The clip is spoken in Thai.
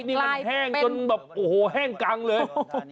นี่มันแห้งจนแบบโอ้โหแห้งกังเลย